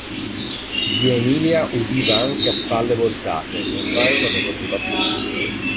Zia Emilia udiva anche a spalle voltate, e oramai non ne poteva più.